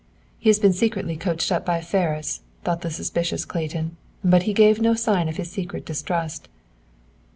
"He has been secretly coached up by Ferris," thought the suspicious Clayton. But he gave no sign of his secret distrust.